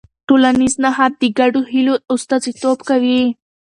ټولنیز نهاد د ګډو هيلو استازیتوب کوي.